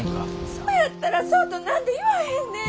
そやったらそうと何で言わへんねん。